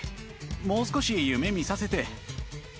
もう少し夢見させて！